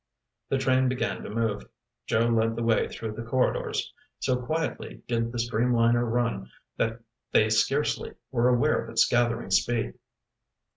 The train began to move. Joe led the way through the corridors. So quietly did the streamliner run that they scarcely were aware of its gathering speed.